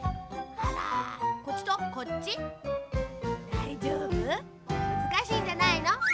だいじょうぶ？むずかしいんじゃないの？